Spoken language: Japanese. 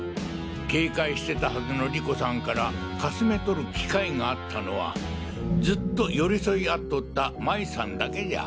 警戒してたはずの莉子さんから掠め取る機会があったのはずっと寄り添い合っとった麻衣さんだけじゃ。